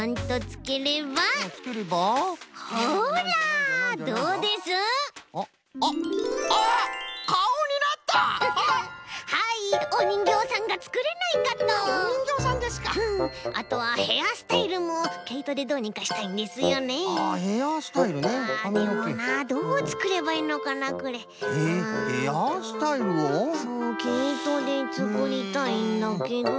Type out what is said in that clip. けいとでつくりたいんだけどな。